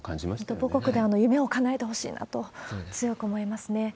本当、母国で夢をかなえてほしいなと、強く思いますね。